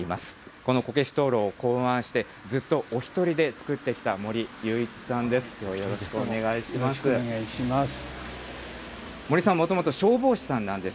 このこけし灯ろうを考案して、ずっとお１人で作ってきた森勇一さんです。